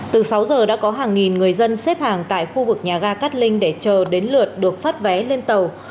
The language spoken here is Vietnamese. từ sáu giờ đã có hàng nghìn người dân xếp hàng tại khu vực nhà ga cát linh để chờ đến lượt được phát vé lên tàu